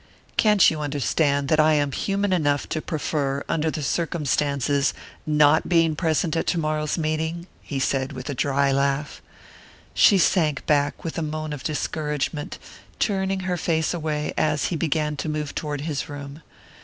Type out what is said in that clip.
"Can't you understand that I am human enough to prefer, under the circumstances, not being present at tomorrow's meeting?" he said with a dry laugh. She sank back with a moan of discouragement, turning her face away as he began to move toward his room.